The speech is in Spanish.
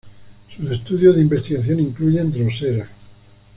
Sus estudios de investigación incluyen "Drosera".